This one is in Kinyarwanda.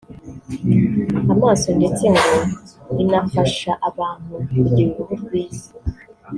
amaso ndetse ngo inafasha abantu kugira uruhu rwiza